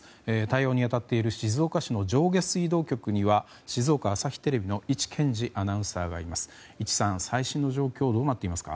対応に当たっている静岡市の上下水道局には静岡朝日テレビの伊地健治アナウンサーがいます。